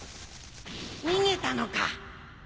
逃げたのか。